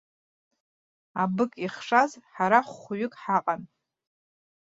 Абык ихшаз ҳара хәҩык ҳаҟан.